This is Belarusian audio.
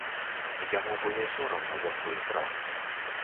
Яму было сорамна за свой страх.